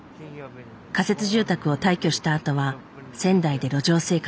仮設住宅を退去したあとは仙台で路上生活。